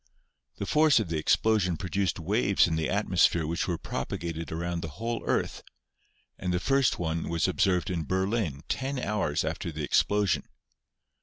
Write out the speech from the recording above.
The force of the explosion produced waves in the at mosphere which were propagated around the whole earth, and the first one was observed in Berlin ten hours after the explosion.